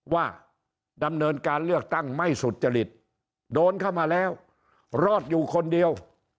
ว่าดำเนินการเลือกตั้งไม่สุจริตโดนเข้ามาแล้วรอดอยู่คนเดียว